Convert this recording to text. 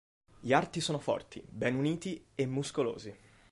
Gli arti sono forti, ben uniti e muscolosi.